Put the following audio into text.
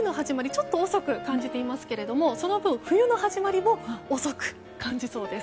ちょっと遅く感じていますがその分、冬の始まりも遅く感じそうです。